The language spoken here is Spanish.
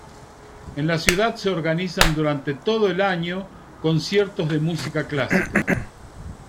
En la ciudad se organizan, durante todo el año, conciertos de música clásica.